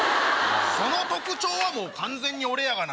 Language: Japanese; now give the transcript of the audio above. その特徴は完全に俺やがな。